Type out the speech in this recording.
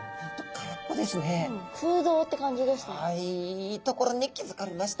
いいところに気付かれました。